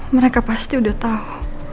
mereka pasti udah tau